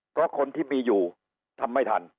เพราะคนที่มีอยู่ทำไม่ทัน